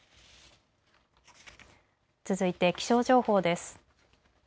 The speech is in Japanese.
続いて気象情報です。